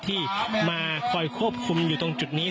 ที่มาคอยควบคุมอยู่ตรงจุดนี้